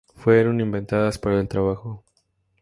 Fueron inventadas para el trabajo.